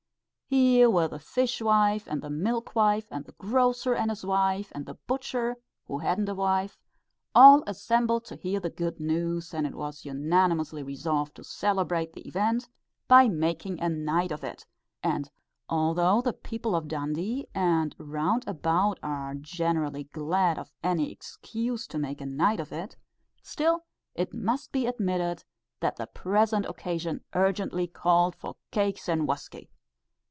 Here were the fishwife and the milkwife, and the grocer and his wife, and the butcher who hadn't a wife, all assembled to hear the good news; and it was unanimously resolved to celebrate the event by making a night of it; and, although the people of Dundee and round about are generally glad of any excuse to make a night of it, still it must be admitted that the present occasion urgently called for "cakes and whuskey."